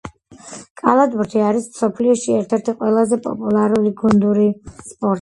კალათბურთი არის მსოფლიოში ერთ-ერთი ყველაზე პოპულარული გუნდური სპორტი